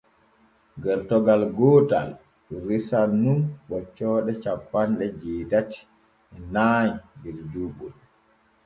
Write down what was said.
Gertogal gootal resan nun ɓoccooɗe cappanɗe jeetati e nay der duuɓol.